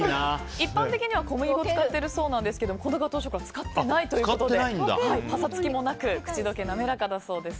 一般的には小麦粉を使っているんですけれどもこのガトーショコラは使っていないということでパサつきもなく口どけ滑らかだそうです。